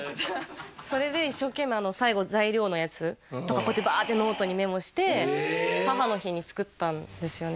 それで一生懸命最後材料のやつとかこうやってバーッてノートにメモして母の日に作ったんですよね